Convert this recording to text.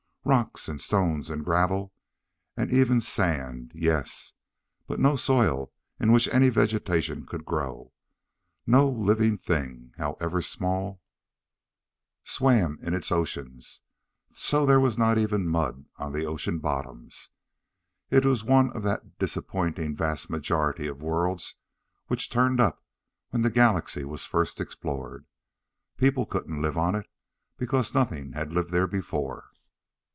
Rock and stones and gravel and even sand yes. But no soil in which any vegetation could grow. No living thing, however small, swam in its oceans, so there was not even mud on its ocean bottoms. It was one of that disappointing vast majority of worlds which turned up when the Galaxy was first explored. People couldn't live on it because nothing had lived there before.